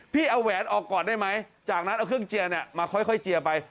พี่เอาแหวนออกก่อนได้ไหมจากนั้นเอาเครื่องเจียเนี่ยมาค่อยเจียไป